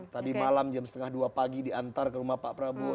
tadi malam jam setengah dua pagi diantar ke rumah pak prabowo